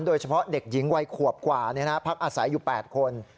โดยเฉพาะเด็กหญิงวัยขวบกว่าพักอาศัยอยู่๘คน